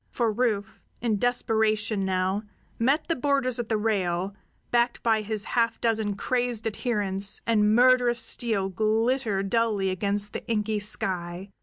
For Rufe, in desperation now, met the boarders at the rail, backed by his half dozen crazed adherents, and murderous steel glittered dully against the inky sky.